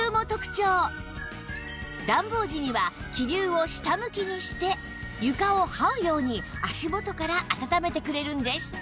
暖房時には気流を下向きにして床をはうように足元から暖めてくれるんです